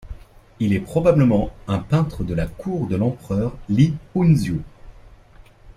Il est probablement un peintre de la cour de l'empereur Li Houzhu.